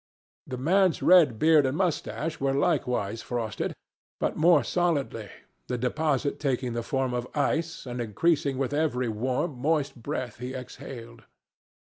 The man's red beard and moustache were likewise frosted, but more solidly, the deposit taking the form of ice and increasing with every warm, moist breath he exhaled.